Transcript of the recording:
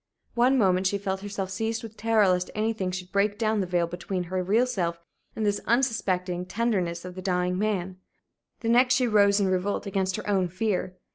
One moment she felt herself seized with terror lest anything should break down the veil between her real self and this unsuspecting tenderness of the dying man; the next she rose in revolt against her own fear.